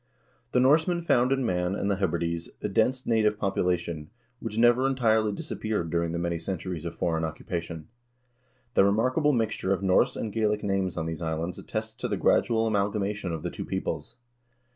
The Norsemen found in Man and the Hebrides a dense native popu lation, which never entirely disappeared during the many centuries of foreign occupation. The remarkable mixture of Norse and Gaelic names on these islands attests to the gradual amalgamation of the two peoples.